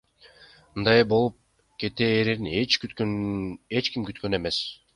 Мындай болуп кетээрин эч ким күткөн эмес.